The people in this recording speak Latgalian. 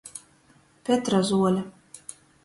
Petrazuole.